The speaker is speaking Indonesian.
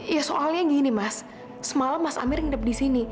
ya soalnya gini mas semalam mas amir nginep disini